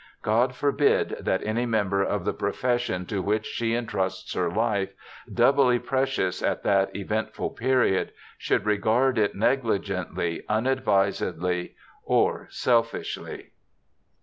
God forbid that any member of the profession to which she trusts her life, doubly precious at that eventful period, should regard it negligently, unadvisedly, or selnshly.'